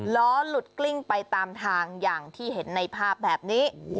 ล้อหลุดกลิ้งไปตามทางอย่างที่เห็นในภาพแบบนี้